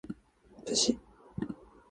武士